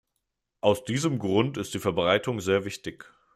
Aus diesem Grund ist die Verbreitung sehr wichtig.